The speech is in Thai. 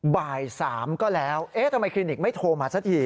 บ่าย๓ก็แล้วเอ๊ะทำไมคลินิกไม่โทรมาสักที